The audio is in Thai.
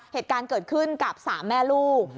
เหตุการณ์เกิดขึ้นกับ๓แม่ลูก